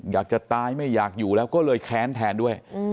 อยากจะตายไม่อยากอยู่แล้วก็เลยแค้นแทนด้วย